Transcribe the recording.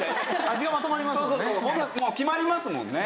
味がまとまりますもんね。